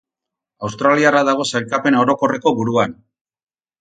Australiarra dago sailkapen orokorreko buruan.